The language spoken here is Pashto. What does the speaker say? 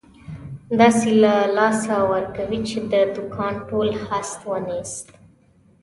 داسې له لاسه ورکوې، چې د دوکان ټول هست او نیست.